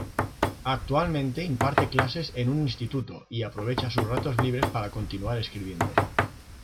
Actualmente imparte clases en un instituto y aprovecha sus ratos libres para continuar escribiendo.